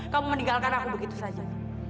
kamu meninggalkan akan begitu saja